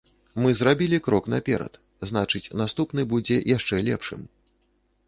Мы зрабілі крок наперад, значыць наступны будзе яшчэ лепшым.